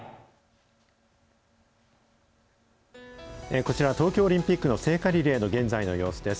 こちらは、東京オリンピックの聖火リレーの現在の様子です。